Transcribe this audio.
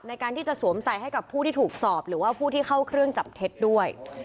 ในการที่จะสวมใส่ให้กับผู้ที่ถูกสอบหรือว่าผู้ที่เข้าเครื่องจับเท็จด้วย